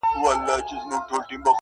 خدایه چیري په سفر یې له عالمه له امامه~